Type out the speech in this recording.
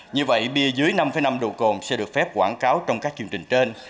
như vậy bia dưới năm năm độ cồn sẽ được phép quảng cáo trong các chương trình trên